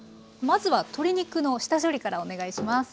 まずは鶏肉の下処理からお願いします。